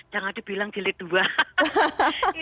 jangan ada yang bilang jilid ii